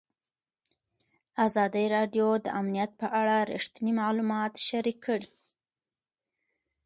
ازادي راډیو د امنیت په اړه رښتیني معلومات شریک کړي.